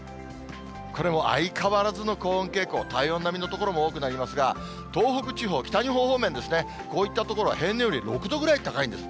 これも相変わらずの高温傾向、体温並みの所も多くなりますが、東北地方、北日本方面ですね、こういった所は平年より６度ぐらい高いんです。